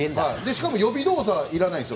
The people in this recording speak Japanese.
しかも予備動作がいらないんです